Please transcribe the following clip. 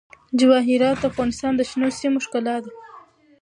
جواهرات د افغانستان د شنو سیمو ښکلا ده.